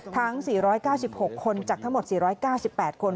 ทั้ง๔๙๖คนจากทั้งหมด๔๙๘คน